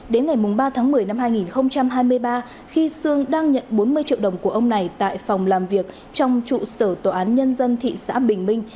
đến ngày ba tháng một mươi năm hai nghìn hai mươi ba khi sương đang nhận bốn mươi triệu đồng của ông này tại phòng làm việc trong trụ sở tòa án nhân dân thị xã bình minh